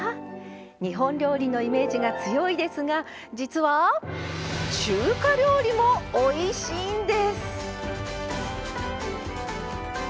日本料理のイメージが強いですが実は中華料理もおいしいんです。